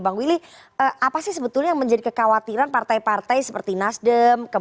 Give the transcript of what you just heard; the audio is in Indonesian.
bang willy apa sih sebetulnya yang menjadi kekhawatiran partai partai seperti nasdem